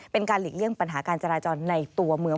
หลีกเลี่ยงปัญหาการจราจรในตัวเมือง